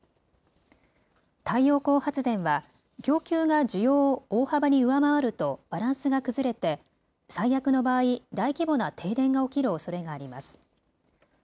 太陽光発電は供給が需要を大幅に上回るとバランスが崩れて最悪の場合、大規模な停電が起きるおそれがあります。